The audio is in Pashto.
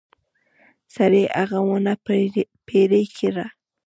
سړي هغه ونه پرې کړه.